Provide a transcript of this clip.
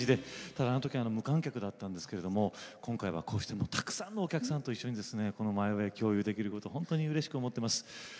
ただあのとき無観客だったんですけども今回は、こうしてたくさんのお客さんと一緒に「マイ・ウェイ」を共有できることを本当にうれしく思っています。